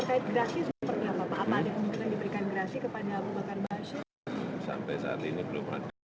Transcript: apa ada kemungkinan diberikan gerasi kepada abu bakar bashir